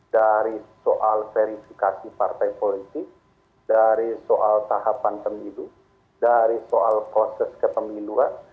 dari soal verifikasi partai politik dari soal tahapan pemilu dari soal proses kepemiluan